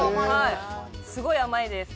すごい甘いです。